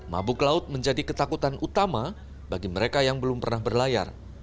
mabuk laut menjadi ketakutan utama bagi mereka yang belum pernah berlayar